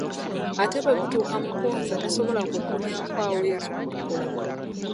Ate bwe gutuuka mu kwoza tasobola kukunya nkwawa ezo kutukula.